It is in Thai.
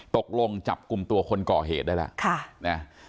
ตกลงจับกลุ่มตัวคนก่อเหตุได้แล้ว